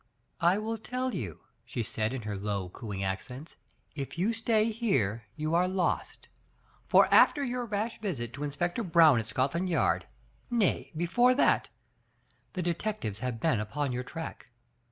"I will tell you," she said, in her low, cooing accents; ''if you stay here, you are lost! For after your rash visit to Inspector Brown at Scot land Yard, nay, before that, the detectives have been upon your track.